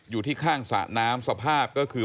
อยู่ที่ข้างสระน้ำสภาพก็คือ